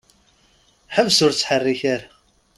Ḥbes ur ttḥerrik ara!